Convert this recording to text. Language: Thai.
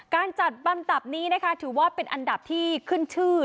การจัดบำดับนี้นะคะถือว่าเป็นอันดับที่ขึ้นชื่อ